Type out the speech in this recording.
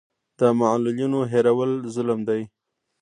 د معلولینو هېرول ظلم دی.